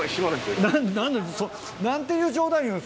何だ。